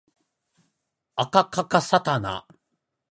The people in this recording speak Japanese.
あかかかさたな